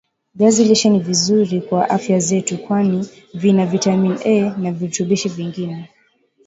viazi lishe ni vizuri kwa afya zetu kwani vina vitamini A na virutubishi vingine